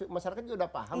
masyarakat sudah paham ya